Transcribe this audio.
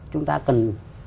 chúng ta cần